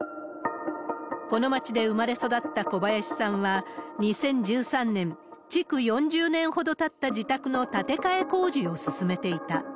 この街で生まれ育った小林さんは、２０１３年、築４０年ほどたった自宅の建て替え工事を進めていた。